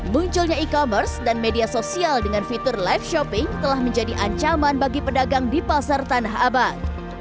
munculnya e commerce dan media sosial dengan fitur live shopping telah menjadi ancaman bagi pedagang di pasar tanah abang